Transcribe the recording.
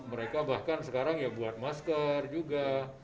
mereka bahkan sekarang ya buat masker juga